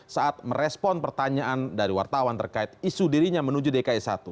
saat merespon pertanyaan dari wartawan terkait isu dirinya menuju dki satu